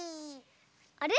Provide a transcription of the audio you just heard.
あれ？